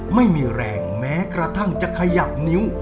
ไม่มีแรงแม้กระทั่งจะขยับนิ้ว